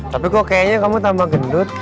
tapi kok kayaknya kamu tambah gendut